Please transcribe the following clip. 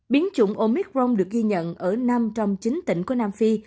biến chủng omicron được ghi nhận ở năm trong chín tỉnh của nam phi